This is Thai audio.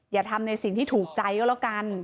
อย่าทำในสิ่งที่ถูกใจก็แล้วกัน